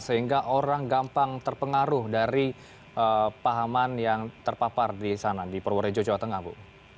sehingga orang gampang terpengaruh dari pahaman yang terpapar di sana di purworejo jawa tengah bu